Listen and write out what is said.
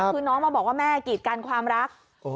คือน้องมาบอกว่าแม่กีดกันความรัก